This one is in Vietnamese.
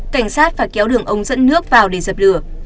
cảnh sát phải kéo đường ống dẫn nước vào để dập lửa